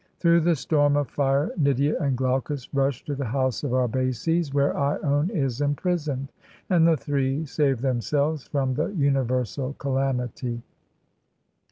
Through the storm of fire Nydia and Glaucus rush to the house of Arbaces where lone is imprisoned, and the three save themselves from the universal calamity.